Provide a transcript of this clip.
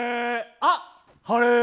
あっ、晴れ！